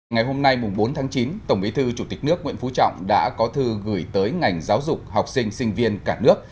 ngày hôm nay bốn tháng chín tổng bí thư chủ tịch nước nguyễn phú trọng đã có thư gửi tới ngành giáo dục học sinh sinh viên cả nước